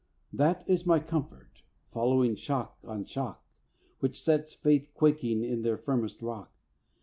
That is my comfort, following shock on shock, Which sets faith quaking on their firmest rock.